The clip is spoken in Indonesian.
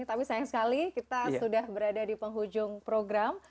tapi sayang sekali kita sudah berada di penghujung program